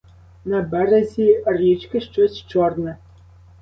На березі річки щось чорне.